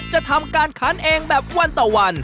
จะทำการคันเองแบบวันต่อวัน